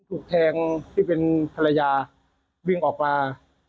ถูกแทงที่เป็นภรรยาวิ่งออกมา